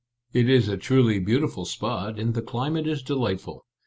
It is a truly beautiful spot, and the climate is delightful.